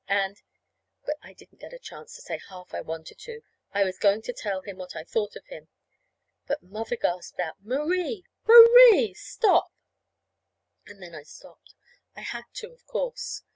And But I didn't get a chance to say half I wanted to. I was going on to tell him what I thought of him; but Mother gasped out, "Marie! Marie! Stop!" And then I stopped. I had to, of course.